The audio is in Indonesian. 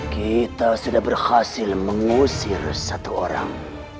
kita sudah berhasil mengusir satu orang